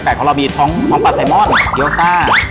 เพราะเรามีท้องปลาไซมอนเฮียวซ่า